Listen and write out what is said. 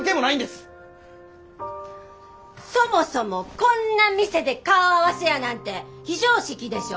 そもそもこんな店で顔合わせやなんて非常識でしょ。